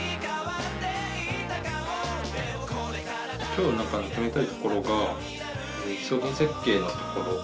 今日つめたいところが商品設計のところ。